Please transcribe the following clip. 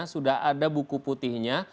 sudah ada buku putihnya